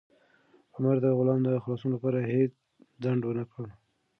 عمر د غلام د خلاصون لپاره هیڅ ځنډ ونه کړ.